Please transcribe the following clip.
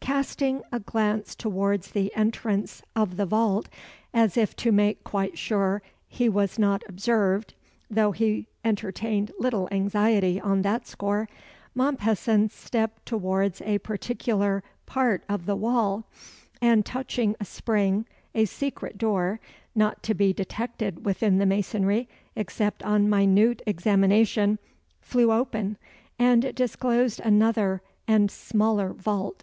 Casting a glance towards the entrance of the vault as if to make quite sure he was not observed though he entertained little anxiety on that score Mompesson stepped towards a particular part of the wall, and touching a spring, a secret door (not to be detected within the masonry except on minute examination) flew open, and disclosed another and smaller vault.